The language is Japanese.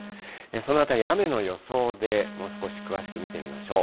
そのあたり、雨の予想でもう少し詳しく見てみましょう。